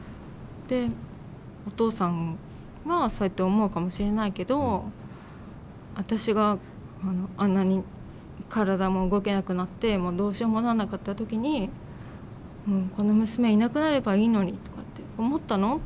で「お父さんはそうやって思うかもしれないけど私があんなに体も動けなくなってどうしようもなんなかった時にこの娘いなくなればいいのにとかって思ったの？」